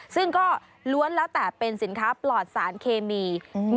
ซึ่งก็ล้วนแล้วแต่เป็นสินค้าปลอดสารเคมี